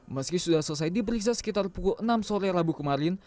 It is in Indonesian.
meski sudah selesai diperiksa sekitar pukul enam sore rabu kemarin